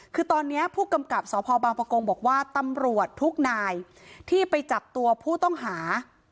คือตอนนี้ผู้กำกับสพบางประกงบอกว่าตำรวจทุกนายที่ไปจับตัวผู้ต้องหา